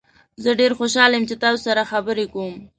زه ډیر خوشحال یم چې تاسو سره خبرې کوم.